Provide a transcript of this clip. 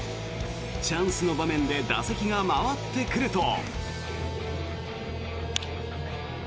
チャンスの場面で打席が回ってくると。